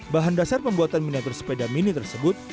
bahan dasar pembuatan miniatur sepeda mini tersebut